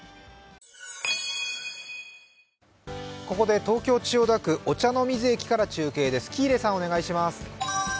ここで東京・千代田区御茶ノ水駅から中継です。